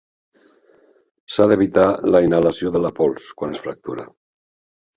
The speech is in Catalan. S'ha d'evitar la inhalació de la pols quan es fractura.